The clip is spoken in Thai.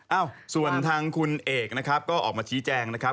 เอ้าส่วนทางคุณเอกนะครับก็ออกมาชี้แจงนะครับ